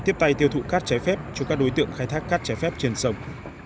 đội tiếp tay tiêu thụ cát cháy phép cho các đối tượng khai thác cát cháy phép trên sông